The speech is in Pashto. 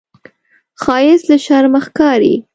ښایست له شرمه ښکاري